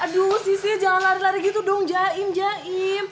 aduh sisinya jangan lari lari gitu dong jaim jaim